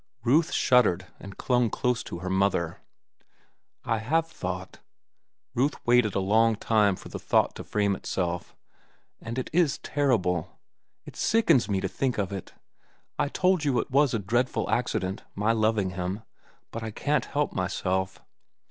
Ruth shuddered and clung close to her mother. "I have thought." Ruth waited a long time for the thought to frame itself. "And it is terrible. It sickens me to think of it. I told you it was a dreadful accident, my loving him; but I can't help myself.